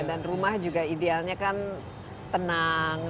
dan rumah juga idealnya kan tenang